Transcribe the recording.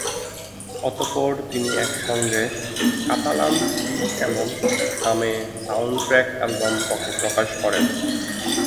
অতঃপর তিনি একসঙ্গে "কাতালান সি এমন" নামে সাউন্ডট্র্যাক অ্যালবাম প্রকাশ করেন।